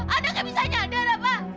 ada nggak bisa nyadar apa